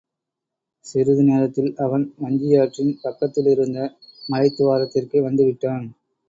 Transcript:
சிறிது நேரத்தில் அவன் வஞ்சியாற்றின் பக்கத்திலிருந்த மலைத் துவாரத்திற்கே வந்துவிட்டான்.